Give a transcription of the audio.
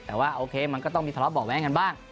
แต่ว่าโอเคมันก็ต้องมีทะเลาะเบาะแว้งกันบ้าง